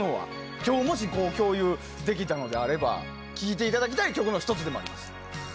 今日、もし共有できたのであれば聴いていただきたい曲の１つでもあります。